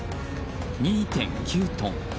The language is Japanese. ２．９トン。